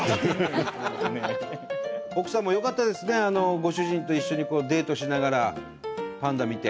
奥さんもよかったですねご主人と一緒にデートしながらパンダ見て。